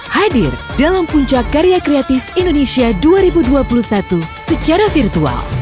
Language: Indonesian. hadir dalam puncak karya kreatif indonesia dua ribu dua puluh satu secara virtual